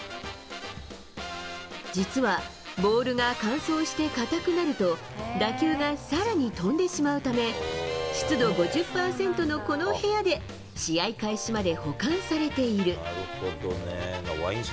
実はボールが乾燥して硬くなると、打球がさらに飛んでしまうため、湿度５０％のこの部屋で、試合開始まで保管されている。